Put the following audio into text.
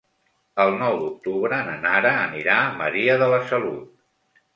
El nou d'octubre na Nara anirà a Maria de la Salut.